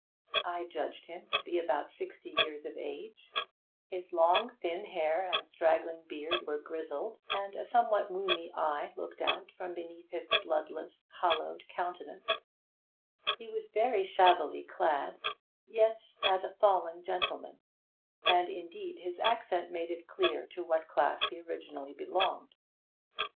I judged him to be about sixty years of age; his long, thin hair and straggling beard were grizzled, and a somewhat rheumy eye looked out from his bloodless, hollowed countenance; he was very shabbily clad, yet as a fallen gentleman, and indeed his accent made it clear to what class he originally belonged.